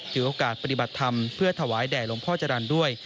ถือโอกาสปฏิบัติธรรมเพื่อถวายแด่หลวงพ่อจรรย์ด้วย